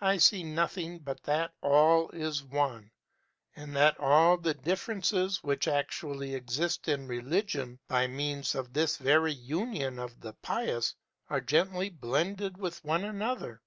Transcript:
I see nothing but that All is One, and that all the differences which actually exist in religion, by means of this very union of the pious, are gently blended with one another.